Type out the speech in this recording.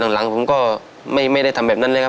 หลังผมก็ไม่ได้ทำแบบนั้นเลยครับ